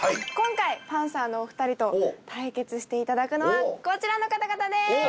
今回パンサーのお二人と対決していただくのはこちらの方々です！